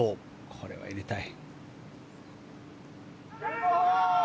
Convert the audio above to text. これは入れたい。